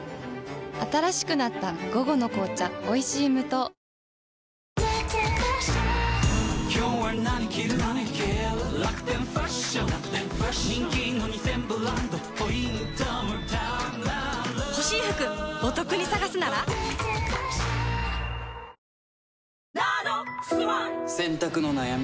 新しくなった「午後の紅茶おいしい無糖」洗濯の悩み？